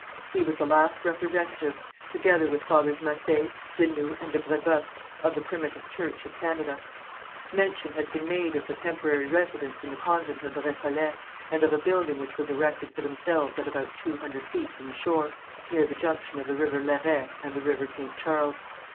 He was the last representative, together with Fathers Massé, de Noüe and de Brébeuf of the primitive church of Canada. Mention has been made of the temporary residence in the convent of the Récollets, and of a building which was erected for themselves at about two hundred feet from the shore, near the junction of the river Lairet and the river St. Charles.